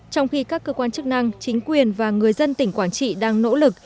trong khi các cơ quan chức năng chính quyền và người dân tỉnh quảng trị đang nỗ lực